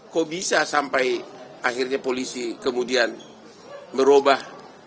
kok bisa sampai akhirnya polisi kemudian merubah